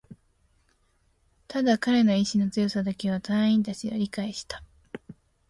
ただ、彼の意志の強さだけは隊員達は理解した